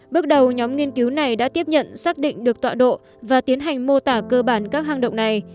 bước đầu nhóm nghiên cứu này đã tiếp nhận xác định được tọa độ và tiến hành mô tả cơ bản các hang động này